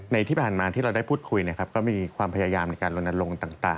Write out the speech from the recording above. ที่ผ่านมาที่เราได้พูดคุยนะครับก็มีความพยายามในการลนลงต่าง